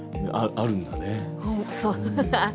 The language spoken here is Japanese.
あるんだ。